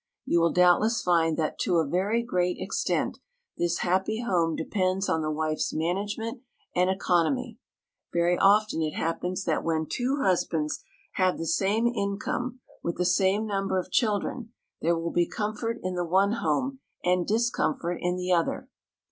You will doubtless find that to a very great extent this happy home depends on the wife's management and economy. Very often it happens that when two husbands have the same income, with the same number of children, there will be comfort in the one home and discomfort in the other.